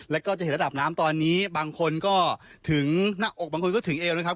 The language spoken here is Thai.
แล้วก็จะเห็นระดับน้ำตอนนี้บางคนก็ถึงหน้าอกบางคนก็ถึงเอวนะครับ